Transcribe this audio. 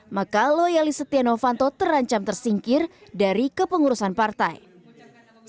maka loyali stenovanto terancam tersingkir dari kepengurusan perpustakaan